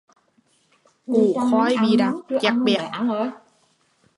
Củ khoai bị đạp chẹt bẹt